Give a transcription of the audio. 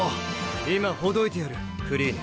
今ほどいてやるクリーネ。